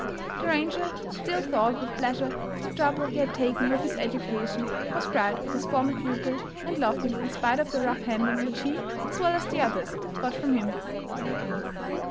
The ranger still thought with pleasure of the trouble he had taken with his educa tion, was proud of his former pupil, and loved him in spite of the rough handling which he, as well as the others, got from him.